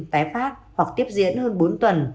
tái phát hoặc tiếp diễn hơn bốn tuần